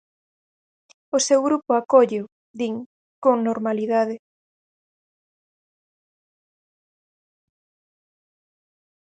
O seu grupo acólleo, din, con normalidade.